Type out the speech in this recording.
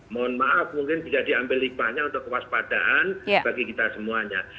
mohon maaf mungkin bisa diambil hikmahnya untuk kewaspadaan bagi kita semuanya